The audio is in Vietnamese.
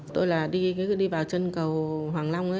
tôi là đi vào chân cầu hoàng long